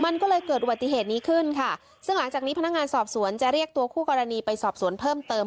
มันก็เลยเกิดอุบัติเหตุนี้ขึ้นค่ะซึ่งหลังจากนี้พนักงานสอบสวนจะเรียกตัวคู่กรณีไปสอบสวนเพิ่มเติม